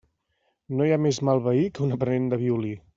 No hi ha més mal veí que un aprenent de violí.